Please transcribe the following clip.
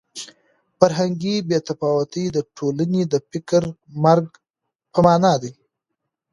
فرهنګي بې تفاوتي د ټولنې د فکري مرګ په مانا ده.